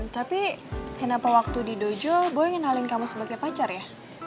tapi kenapa waktu di dojo gue ngenalin kamu sebagai pacar ya